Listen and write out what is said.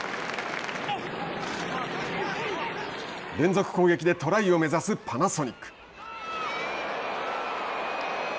連続攻撃でトライを目指すパナソニック。